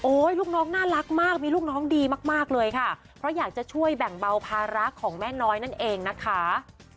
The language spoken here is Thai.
ลูกน้องน่ารักมากมีลูกน้องดีมากมากเลยค่ะเพราะอยากจะช่วยแบ่งเบาภาระของแม่น้อยนั่นเองนะคะ